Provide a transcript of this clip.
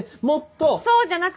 そうじゃなくて！